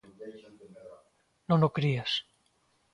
Non o crías?